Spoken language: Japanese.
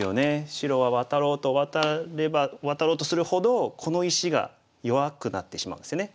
白はワタろうとワタればワタろうとするほどこの石が弱くなってしまうんですよね。